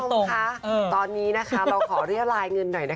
คุณผู้ชมคะตอนนี้นะคะเราขอเรียรายเงินหน่อยนะคะ